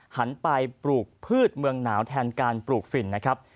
หันไปปลูกพืชเมืองหนาวแทนการปลูกฝิ่นนะครับ